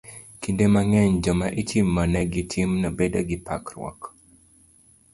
Kinde mang'eny, joma itimonegi timno bedo gi parruok